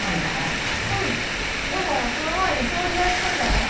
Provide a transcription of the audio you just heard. でもその前に掃除はしといたで。